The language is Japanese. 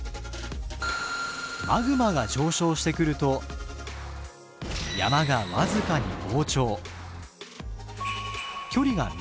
マグマが上昇してくると山が僅かに膨張。